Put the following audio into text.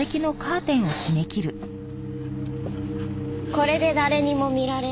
これで誰にも見られない。